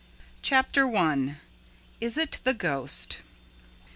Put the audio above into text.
Chapter I Is it the Ghost?